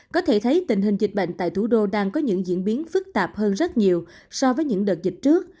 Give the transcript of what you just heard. có thể thấy tình hình dịch bệnh tại thủ đô đang có những diễn biến phức tạp hơn rất nhiều so với những đợt dịch trước